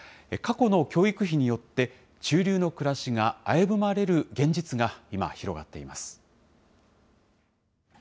過去の教育費によって、中流の暮らしが危ぶまれる現実が今、広がっています。